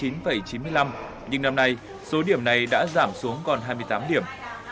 nhưng năm nay số điểm này đã giảm xuống còn hai mươi tám điểm